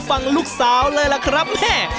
ฝั่งลูกสาวเลยล่ะครับแม่